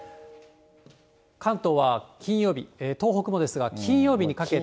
関東は金曜日、東北もですが、金曜日にかけて。